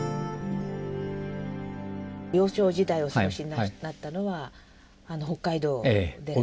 幼少時代をお過ごしになったのは北海道でらっしゃる。